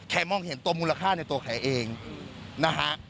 มองเห็นตัวมูลค่าในตัวแขเองนะฮะ